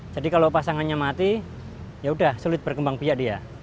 jadi kalau pasangannya mati yaudah sulit berkembang pihak dia